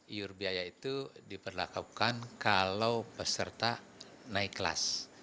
iur biaya itu diperlakukan kalau peserta naik kelas